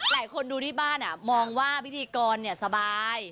หลายคนดูที่บ้านมองว่าพิธีกรสบาย